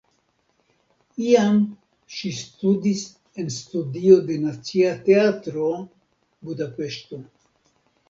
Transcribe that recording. Iam ŝi studis en studio de Nacia Teatro (Budapeŝto).